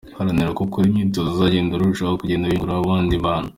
Haranira ko uko ukora imyitozo uzagenda urushaho kugenda wiyunguraho akandi kantu.